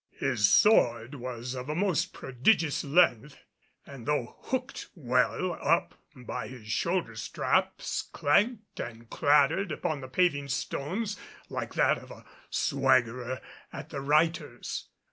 His sword was of a most prodigious length, and though hooked well up by his shoulder straps, clanked and clattered upon the paving stones like that of a swaggerer of the Reiters.